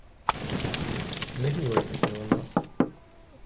Не гнівайтеся на нас.